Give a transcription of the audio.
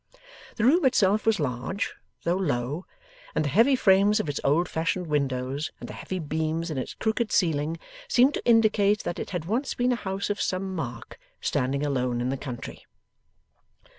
The room itself was large, though low; and the heavy frames of its old fashioned windows, and the heavy beams in its crooked ceiling, seemed to indicate that it had once been a house of some mark standing alone in the country.